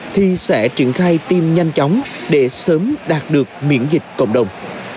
thì sẽ triển khai tiêm nhanh chóng để sớm đạt được miễn dịch cộng đồng